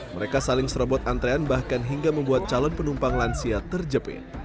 mereka saling serobot antrean bahkan hingga membuat calon penumpang lansia terjepit